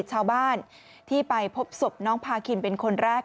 ชาวบ้านที่ไปพบศพน้องพาคินเป็นคนแรก